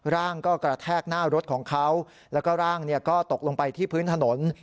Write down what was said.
ร่างก็กระแทกหน้ารถของเขาแล้วก็ร่างก็ตกลงไปที่พื้นถนน